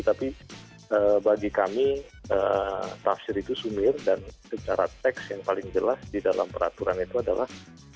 tapi bagi kami tafsir itu sumir dan secara teks yang paling jelas di dalam peraturan itu adalah